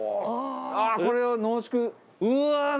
これを濃縮。